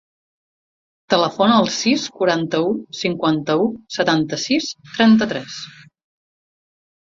Telefona al sis, quaranta-u, cinquanta-u, setanta-sis, trenta-tres.